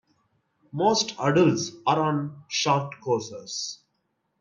Most adults are on short courses.